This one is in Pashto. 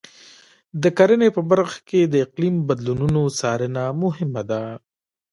د کرنې په برخه کې د اقلیم بدلونونو څارنه مهمه ده.